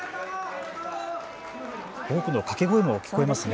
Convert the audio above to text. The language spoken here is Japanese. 多くの掛け声も聞こえますね。